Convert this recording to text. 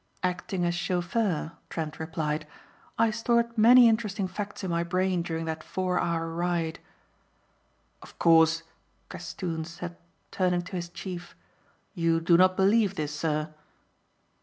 "Acting as chauffeur," Trent replied. "I stored many interesting facts in my brain during that four hour ride." "Of course," Castoon said turning to his chief, "you do not believe this sir?"